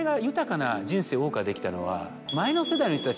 謳歌できたのは。